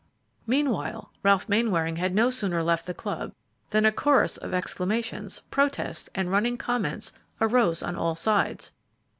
Meanwhile, Ralph Mainwaring had no sooner left the club than a chorus of exclamations, protests, and running comments arose on all sides.